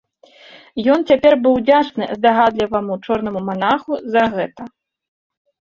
Ён цяпер быў удзячны здагадліваму чорнаму манаху за гэта.